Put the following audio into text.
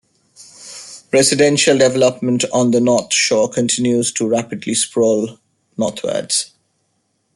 Residential development on the North Shore continues to rapidly sprawl northwards.